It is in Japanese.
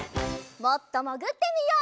もっともぐってみよう。